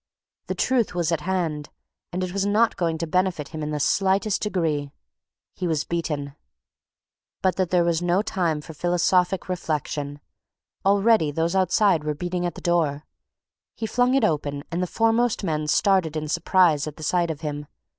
The truth was at hand, and it was not going to benefit him in the slightest degree. He was beaten. But that was no time for philosophic reflection; already those outside were beating at the door. He flung it open, and the foremost men started in surprise at the sight of him.